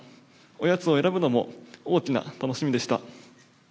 おやつを選ぶのも大きな楽しみでした。